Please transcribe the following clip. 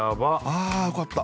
ああよかった